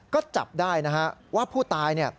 ก็จับได้นะฮะว่าผู้ตายเนี่ย